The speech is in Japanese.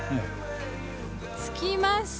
着きました。